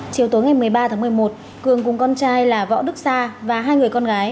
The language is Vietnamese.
chiều tối ngày một mươi ba tháng một mươi một cường cùng con trai là võ đức sa và hai người con gái